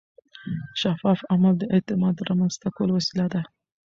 شفاف عمل د اعتماد رامنځته کولو وسیله ده.